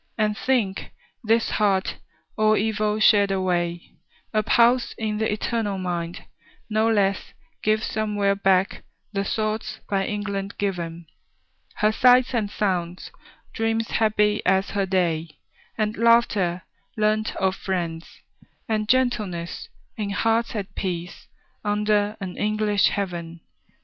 And think, this heart, all evil shed away, A pulse in the eternal mind, no less Gives somewhere back the thoughts by England given; Her sights and sounds; dreams happy as her day; And laughter, learnt of friends; and gentleness, In hearts at peace, under an English heaven.